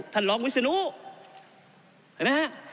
ท่านรองวิศนุย์